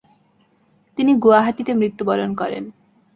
তিনি গুয়াহাটীতে মৃত্যুবরণ করেন।